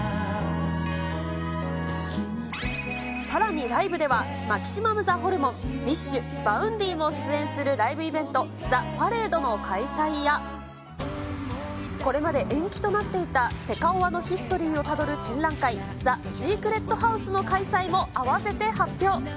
さらにライブでは、マキシマムザホルモン、ＢｉＳＨ、バウンディも出演するライブイベント、ザ・パレードの開催や、これまで延期となっていたセカオワのヒストリーをたどる展覧会、ザ・シークレット・ハウスの開催も合わせて発表。